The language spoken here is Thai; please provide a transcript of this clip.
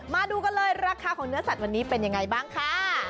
มาดูกันเลยราคาของเนื้อสัตว์วันนี้เป็นยังไงบ้างค่ะ